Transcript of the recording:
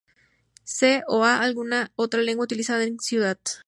C o a alguna otra lengua utilizada en la ciudad.